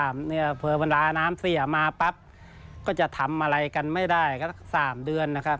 เวลาน้ำเสียมาปั๊บก็จะทำอะไรกันไม่ได้สามเดือน